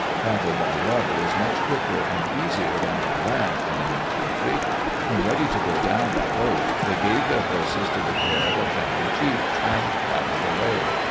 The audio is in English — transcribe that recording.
Travel by water is much quicker and easier than by land in a new country. When ready to go down by boat, they gave their horses to the care of a friendly chief and paddled away.